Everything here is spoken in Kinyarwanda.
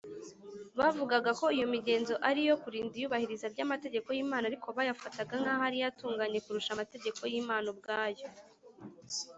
bavugaga ko iyo migenzo ari iyo kurinda iyubahiriza ry’amategeko y’imana, ariko bayafataga nk’aho ariyo atunganye kurusha amategeko y’imana ubwayo